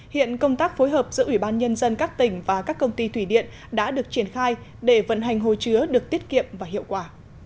hiện công tác phối hợp giữa ủy ban nhân dân các tỉnh và các công ty thủy điện đã được triển khai để vận hành hồ chứa được tiết kiệm và hiệu quả